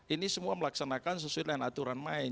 ini semua melaksanakan sesuai dengan aturan main